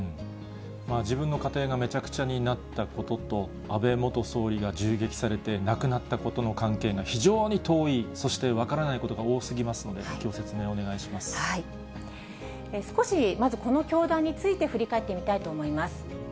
自分の家庭がめちゃくちゃになったことと、安倍元総理が銃撃されて、亡くなったことの関係が非常に遠い、そして分からないことが多すぎますので、少し、まず、この教団について振り返ってみたいと思います。